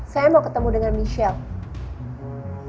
saya mau ketemu dengan michelle